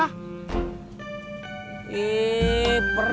eh pernah deh